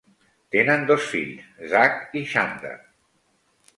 Tenen dos fills, Zack i Xander.